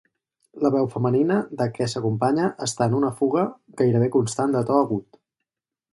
La veu femenina de què s'acompanya està en una fuga gairebé constant de to agut.